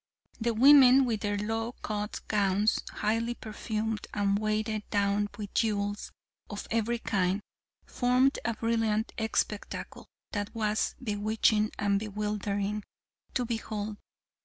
The women with their low cut gowns, highly perfumed, and weighted down with jewels of every kind, formed a brilliant spectacle that was bewitching and bewildering to behold.